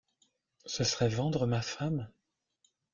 Ce serait vendre ma femme?